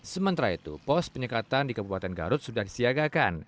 sementara itu pos penyekatan di kabupaten garut sudah disiagakan